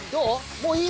もういい？